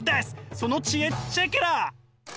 その知恵チェケラ！